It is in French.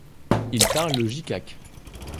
Ils parlent le jicaque.